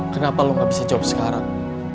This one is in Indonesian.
kenapa lo gak bisa jawab sekarang